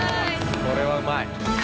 これはうまい。